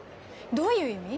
どういう意味？